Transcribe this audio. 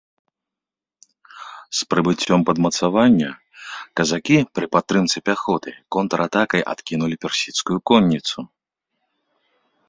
З прыбыццём падмацавання казакі, пры падтрымцы пяхоты, контратакай адкінулі персідскую конніцу.